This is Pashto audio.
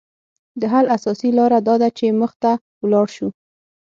د حل اساسي لاره داده چې مخ ته ولاړ شو